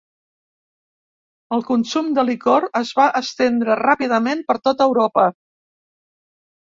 El consum del licor es va estendre ràpidament per tot Europa.